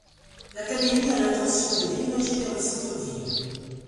L'académie a l'intention de déménager vers le centre ville.